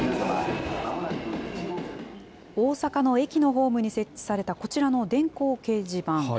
大阪の駅のホームに設置されたこちらの電光掲示板。